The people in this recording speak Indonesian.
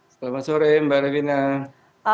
selamat sore mbak rewina